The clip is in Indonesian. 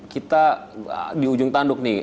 kita di ujung tanduk nih